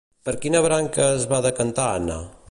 Per quina branca es va decantar Ana?